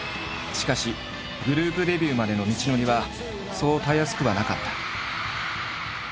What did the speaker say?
しかしグループデビューまでの道のりはそうたやすくはなかった。